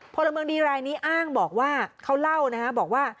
พลเมืองดีรายนี้อ้างบอกว่าเขาเล่านะฮะบอกว่า